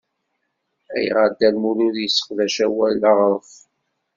Ayɣer Dda Lmulud yesseqdec awal aɣref?